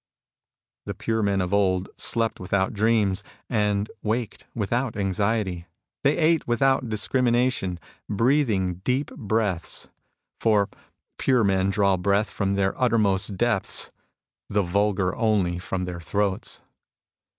The pure men of old slept without dreams, and waked without anxiety. They ate without dis crimiAation, breathing deep breaths. For pure THE PURE MEN OF OLD 89 men draw breath from their uttermost depths ; the vulgar only from their throats.